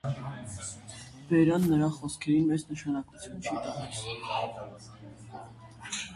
Վերան նրա խոսքերին մեծ նշանակություն չի տալիս։